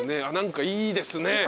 あっ何かいいですね。